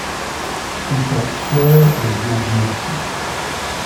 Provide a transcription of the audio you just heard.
She sat square and magnificent.